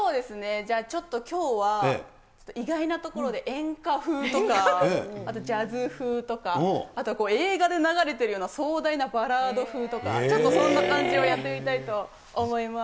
じゃあ、ちょっときょうは意外なところで演歌風とか、あとジャズ風とか、あとは映画で流れてるような壮大なバラード風とか、ちょっとそんな感じをやってみたいと思います。